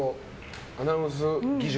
アナウンス技術？